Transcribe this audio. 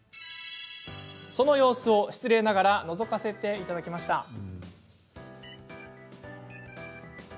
その様子を、失礼ながらのぞかせてもらいました。